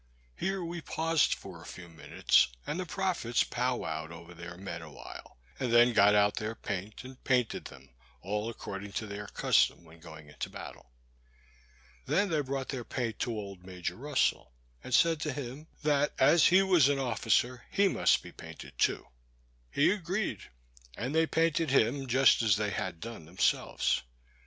Here we paused for a few minutes, and the prophets pow wowed over their men awhile, and then got out their paint, and painted them, all according to their custom when going into battle. They then brought their paint to old Major Russell, and said to him, that as he was an officer, he must be painted too. He agreed, and they painted him just as they had done themselves.